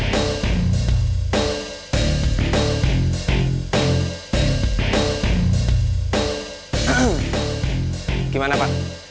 beneran gak ubah saya